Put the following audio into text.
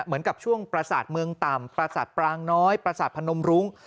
เหมือนกับช่วงประสาทเมืองต่ำประสาทปรางน้อยประสาทพนมรุ้ง